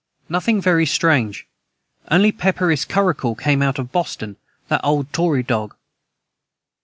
Nothing very Strange onely Peperiss curacle came out of Boston that old tory Dog.